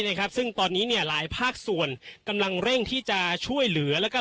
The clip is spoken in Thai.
นะครับซึ่งตอนนี้เนี่ยหลายภาคส่วนกำลังเร่งที่จะช่วยเหลือแล้วก็